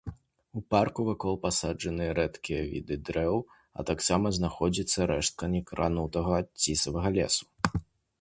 У парку вакол пасаджаны рэдкія віды дрэў а таксама знаходзіцца рэштка некранутага цісавага лесу.